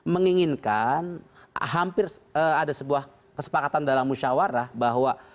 menginginkan hampir ada sebuah kesepakatan dalam musyawarah bahwa